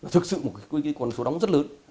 thực sự một con số đóng rất lớn